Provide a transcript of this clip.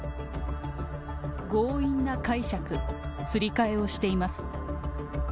強引な解釈、すり替えをしています。